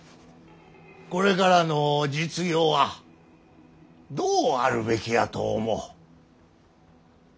これからの実業はどうあるべきやと思う？